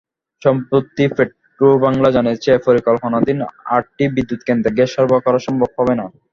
সম্প্রতি পেট্রোবাংলা জানিয়েছে, পরিকল্পনাধীন আটটি বিদ্যুৎকেন্দ্রে গ্যাস সরবরাহ করা সম্ভব হবে না।